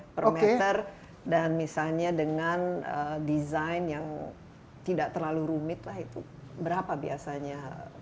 per meter dan misalnya dengan desain yang tidak terlalu rumit lah itu berapa biasanya